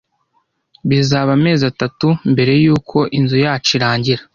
Bizaba amezi atatu mbere yuko inzu yacu irangira.